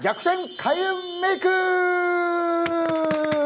開運メイク。